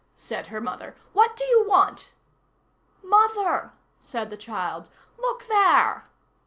said her mother; "what do you want?" "Mother," said the child, "look there!"